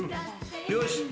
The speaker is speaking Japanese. よし。